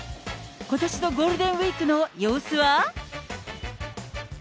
ことしのゴールデンウィークの様子は？